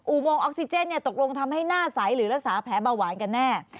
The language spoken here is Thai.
โมงออกซิเจนตกลงทำให้หน้าใสหรือรักษาแผลเบาหวานกันแน่